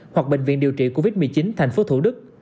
hoặc bệnh viện điều trị covid một mươi chín tp thủ đức